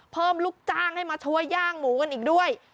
ลูกจ้างให้มาช่วยย่างหมูกันอีกด้วย